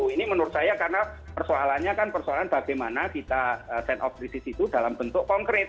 ini menurut saya karena persoalannya kan bagaimana kita stand of the disease itu dalam bentuk konkret